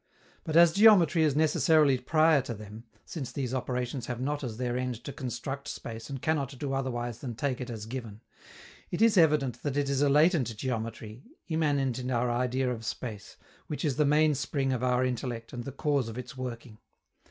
But, as geometry is necessarily prior to them (since these operations have not as their end to construct space and cannot do otherwise than take it as given) it is evident that it is a latent geometry, immanent in our idea of space, which is the main spring of our intellect and the cause of its working.